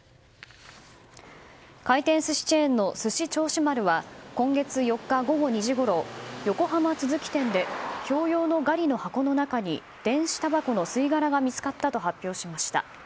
回転寿司チェーンのすし銚子丸は今月４日午後２時ごろ横浜都築店で共用のガリの箱の中に電子たばこの吸い殻が見つかったと発表しました。